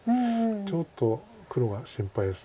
ちょっと黒が心配です。